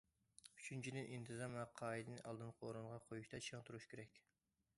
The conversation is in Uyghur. ئۈچىنچىدىن، ئىنتىزام ۋە قائىدىنى ئالدىنقى ئورۇنغا قويۇشتا چىڭ تۇرۇش كېرەك.